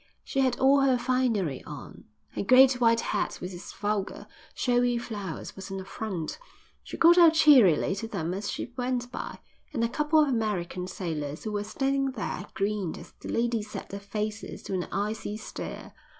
She had all her finery on. Her great white hat with its vulgar, showy flowers was an affront. She called out cheerily to them as she went by, and a couple of American sailors who were standing there grinned as the ladies set their faces to an icy stare.